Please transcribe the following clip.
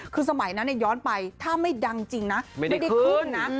คือสมัยนั้นย้อนไปถ้าไม่ดังจริงนะไม่ได้ขึ้นนะ